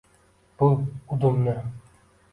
Bu udumni